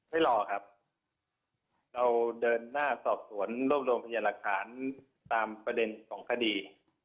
ไม่รอครับเราเดินหน้าสอบสวนรวบรวมพยานหลักฐานตามประเด็นของคดี